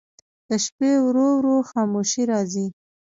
د شپې ورو ورو خاموشي راځي.